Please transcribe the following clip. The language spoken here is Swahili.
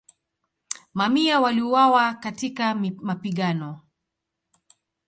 Mamia waliuawa katika mapigano.